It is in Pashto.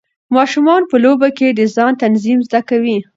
ماشومان په لوبو کې د ځان تنظیم زده کوي.